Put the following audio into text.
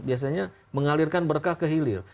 biasanya mengalirkan berkah ke hilir